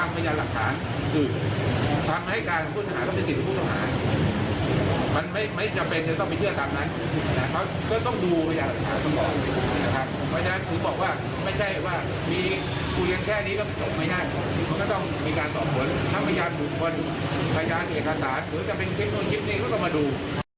ไข่นี่การตานเหมือนจะเป็นเฮฟโนยชิปนี้ก็จะมาดู